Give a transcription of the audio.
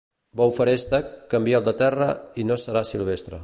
Bou feréstec, canvia'l de terra i no serà silvestre.